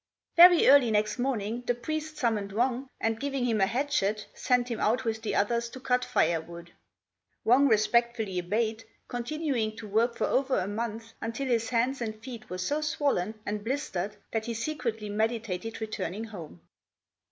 Very early next morning the priest summoned Wang, and giving him a hatchet sent him out with the others to cut firewood. Wang respectfully obeyed, continuing to work for over a month until his hands and feet were so swollen and blistered that he secretly meditated returning home.